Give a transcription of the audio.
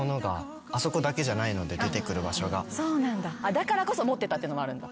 だからこそ持ってたってのもあるんだ。